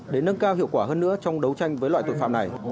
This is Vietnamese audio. để nâng cao hiệu quả hơn nữa trong đấu tranh với loại tội phạm này